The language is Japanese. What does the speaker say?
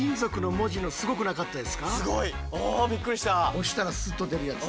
押したらスッと出るやつ。